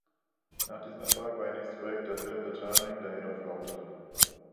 Nach diesem Erfolg war ihr nächstes Projekt der Film "The Turning", der jedoch floppte.